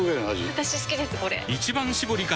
私好きですこれ！